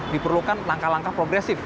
diperlukan langkah langkah progresif